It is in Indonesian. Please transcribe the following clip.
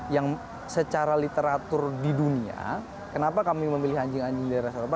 yang secara literatur di dunia kenapa kami memilih anjing anjing di daerah eropa